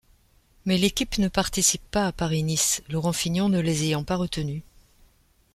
Mais l'équipe ne participe pas à Paris-Nice, Laurent Fignon ne les ayant pas retenus.